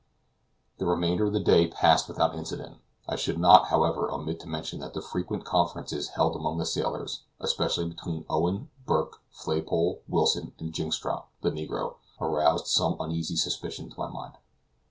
The remainder of the day passed without incident. I should not, however, omit to mention that the frequent conferences held among the sailors, especially between Owen, Burke, Flaypole, Wilson, and Jynxstrop, the negro, aroused some uneasy suspicions in my mind.